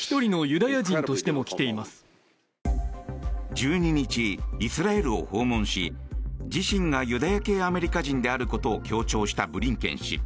１２日、イスラエルを訪問し自身がユダヤ系アメリカ人であることを強調したブリンケン氏。